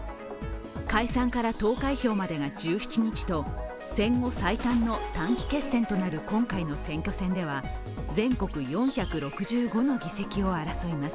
解散から投開票までが１７日と戦後最短の短期決戦となる今回の選挙戦では全国４６５の議席を争います。